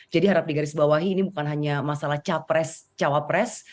jadi harap di garis bawahi ini bukan hanya masalah capres cawapres